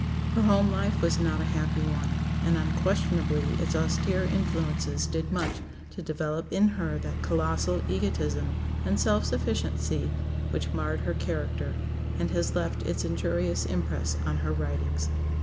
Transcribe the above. Her home life was not a happy one, and unquestionably its austere influences did much to develop in her that colossal egotism and self sufficiency which marred her character, and has left its injurious impress on her writings.